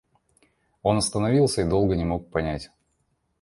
Он остановился и долго не мог понять.